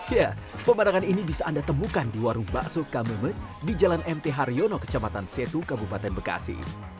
ya pemandangan ini bisa anda temukan di warung bakso kameme di jalan mt haryono kecamatan setu kabupaten bekasi